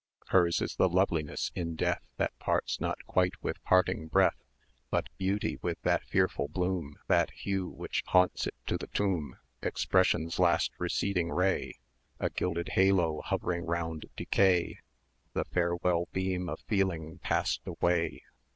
Hers is the loveliness in death, That parts not quite with parting breath; But beauty with that fearful bloom, That hue which haunts it to the tomb, Expression's last receding ray, A gilded Halo hovering round decay, The farewell beam of Feeling past away!